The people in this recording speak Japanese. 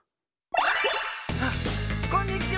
あっこんにちは！